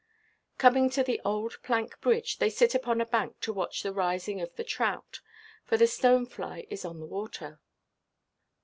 Coming to the old plank–bridge, they sit upon a bank to watch the rising of the trout, for the stone–fly is on the water.